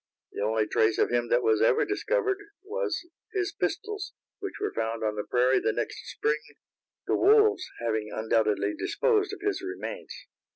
The only trace of him that was ever discovered was his pistols, which were found on the prairie the next spring, the wolves having undoubtedly disposed of his remains.